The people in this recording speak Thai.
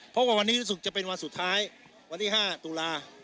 เพราะว่าวันนี้รู้สึกจะเป็นวันสุดท้ายวันที่๕ตุลา